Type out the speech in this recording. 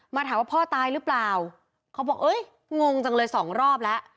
มาถามว่าพ่อตายหรือเปล่าเขาบอกเอ้ยงงจังเลยสองรอบแล้ว